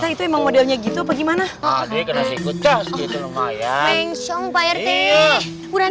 itu emang modelnya gitu gimana